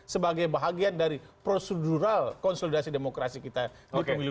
sebagai bahagian dari prosedural konsolidasi demokrasi kita di pemilu dua ribu sembilan